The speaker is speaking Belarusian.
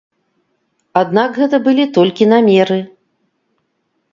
Аднак гэта былі толькі намеры.